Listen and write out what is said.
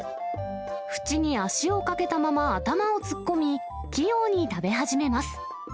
縁に足をかけたまま頭を突っ込み、器用に食べ始めます。